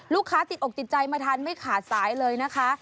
ติดอกติดใจมาทานไม่ขาดสายเลยนะคะ